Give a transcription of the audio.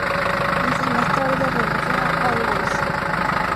Meses más tarde regresó a All Boys.